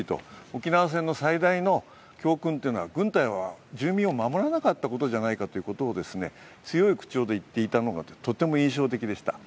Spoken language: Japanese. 沖縄戦の最大の教訓というのは軍隊は住民を守らなかったことじゃないかと強い口調で言っていたのがとても印象的でした。